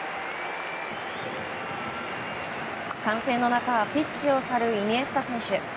歓声の中、ピッチを去るイニエスタ選手。